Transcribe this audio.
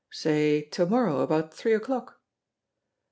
"Say, to morrow about three o'clock."